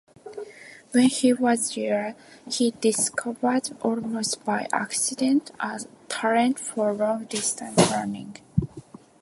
When he was there, he discovered almost by accident a talent for long-distance running.